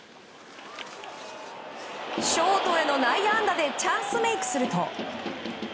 ショートへの内野安打でチャンスメイクすると。